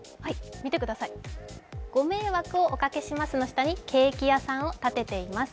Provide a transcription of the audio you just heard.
「ご迷惑をおかけします」の下に「ケーキ屋さんを建てています」